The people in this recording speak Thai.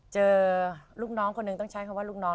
เจอลูกน้องคนหนึ่งต้องใช้คำว่าลูกน้อง